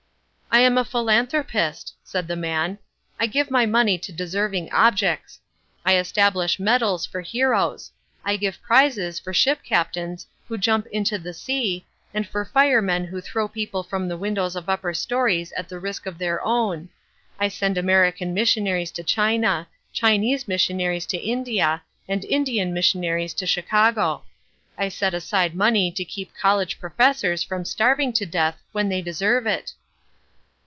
"I am a philanthropist," said the man. "I give my money to deserving objects. I establish medals for heroes. I give prizes for ship captains who jump into the sea, and for firemen who throw people from the windows of upper stories at the risk of their own; I send American missionaries to China, Chinese missionaries to India, and Indian missionaries to Chicago. I set aside money to keep college professors from starving to death when they deserve it."